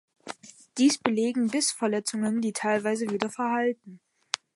Dies belegen Bissverletzungen, die teilweise wieder verheilten.